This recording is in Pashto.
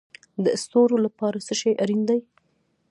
د ستورو لپاره څه شی اړین دی؟